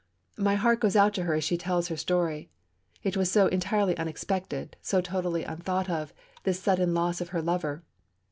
My heart goes out to her as she tells her story. It was so entirely unexpected, so totally unthought of, this sudden loss of her lover.